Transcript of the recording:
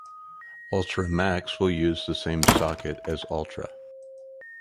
Altra Max will use the same socket as Altra.